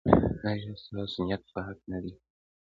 ایا ستاسو نیت پاک نه دی؟